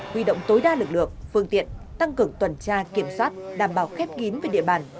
huy động tối đa lực lượng phương tiện tăng cường tuần tra kiểm soát đảm bảo khép kín về địa bàn